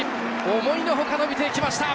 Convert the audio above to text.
思いのほか、伸びていきました！